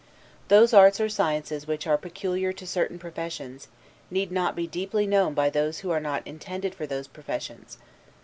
Those arts or sciences which are peculiar to certain professions, need not be deeply known by those who are not intended for those professions.